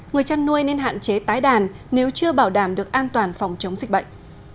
người chăn nuôi nên hạn chế tái đàn nếu chưa bảo đảm được an toàn phòng chống dịch bệnh